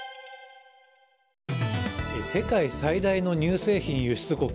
世界最大の乳製品輸出国